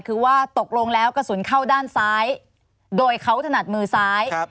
คือว่าตกลงแล้วกระสุนเข้าด้านซ้ายโดยเขาถนัดมือซ้าย